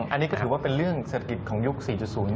อันนี้ก็ถือว่าเป็นเรื่องเศรษฐกิจของยุค๔๐